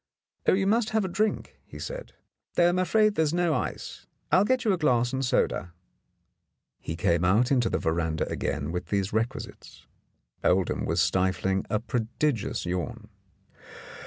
"Oh, you must have a drink," he said, "though I'm afraid there is no ice. I'll get you a glass and soda." He came out into the veranda again with these requisites. Oldham was stifling a prodigious yawn.